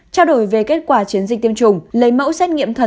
trao đổi về kết quả chiến dịch tiêm chủng